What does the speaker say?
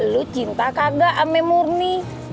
lu cinta kagak ame murni